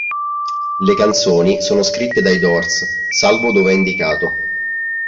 Le canzoni sono scritte dai Doors salvo dove è indicato.